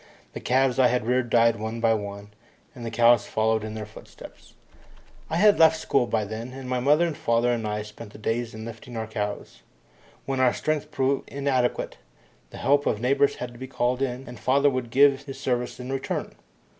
The calves I had reared died one by one, and the cows followed in their footsteps. I had left school then, and my mother and father and I spent the days in lifting our cows. When our strength proved inadequate, the help of neighbours had to be called in, and father would give his services in return.